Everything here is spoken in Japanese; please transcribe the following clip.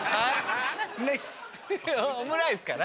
オムライスかな？